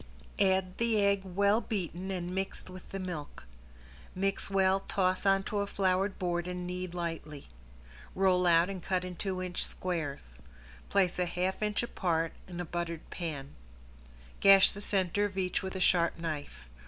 Add the egg well beaten and mixed with the milk. Mix well, toss onto a floured board and knead lightly. Roll out and cut in two inch squares. Place a half inch apart in a buttered pan. Gash the center of each with a sharp knife.